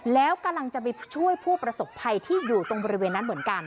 แล้วกำลังจะไปช่วยผู้ประสบภัยที่อยู่ตรงบริเวณนั้นเหมือนกัน